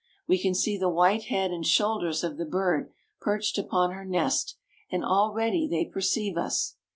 We can see the white head and shoulders of the bird perched upon her nest; and already they perceive us.